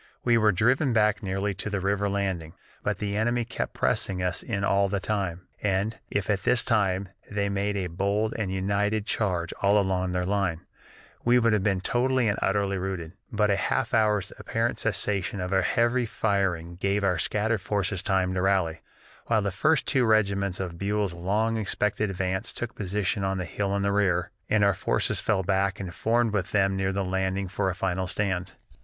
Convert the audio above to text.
We were driven back nearly to the river landing, but the enemy kept pressing us in all the time, and, if, at this time, they had made a bold and united charge all along their line, we would have been totally and utterly routed; but a half hour's apparent cessation of heavy firing gave our scattered forces time to rally, while the first two regiments of Buell's long expected advance took position on the hill in the rear, and our forces fell back and formed with them near the landing for a final stand.